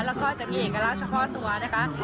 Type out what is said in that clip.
แล้วก็จะมีเอกลักษณ์เฉพาะตัวนะคะ